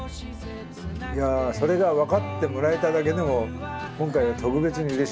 いやそれが分かってもらえただけでも今回は特別にうれしいですね。